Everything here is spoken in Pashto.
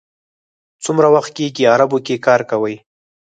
څومره وخت کېږي عربو کې کار کوئ.